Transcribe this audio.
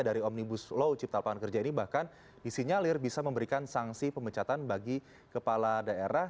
dari omnibus law cipta pangan kerja ini bahkan disinyalir bisa memberikan sanksi pemecatan bagi kepala daerah